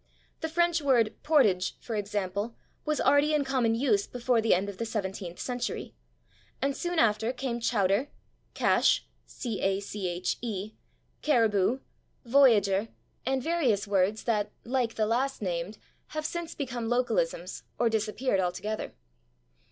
The French word /portage/, for example, was already in common use before the end of the seventeenth century, and soon after came /chowder/, /cache/, /caribou/, /voyageur/, and various words that, like the last named, have since become localisms or disappeared altogether.